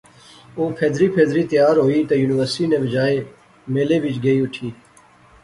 او پھیدری پھیدری تیار ہوئی تہ یونیورسٹی نے بجائے میلے وچ گئی اٹھی